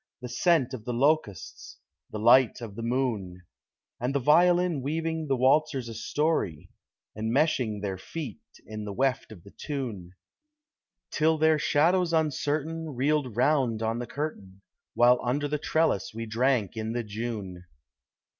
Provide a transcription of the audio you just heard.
The scent of the locusts the light of the moon; And the violin weaving the waltzers a story, Enmeshing their feet in the weft of the tune, Till their shadows uncertain, Reeled round on the curtain, While under the trellis we drank in the June.